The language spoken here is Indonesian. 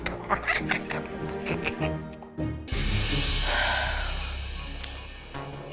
sikapnya jadi aneh gini